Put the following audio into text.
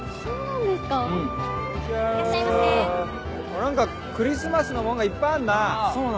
何かクリスマスのもんがいっぱいあんな。